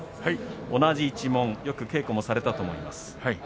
同じ一門、よく稽古もされたと思います。